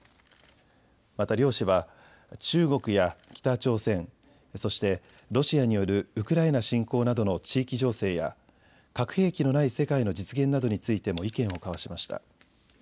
また両氏は中国や北朝鮮、そしてロシアによるウクライナ侵攻などの地域情勢や核兵器のない世界の実現などについても意見を交わしました。